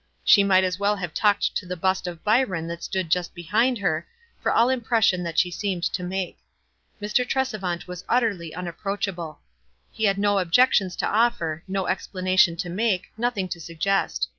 She might as well have talked to the bust of Byron that stood just behind her, for all impression that she seemed to make. Mr. Tresevant was utterly unapproachable. He had no objections to offer, no explanation to make, nothing to suggest.